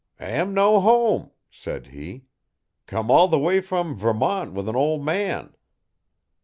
'Am' no home,' said he. 'Come all the way from Vermont with an ol' man.